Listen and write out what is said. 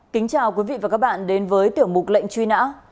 kính chào quý vị và các bạn đến với tiểu mục lệnh truy nã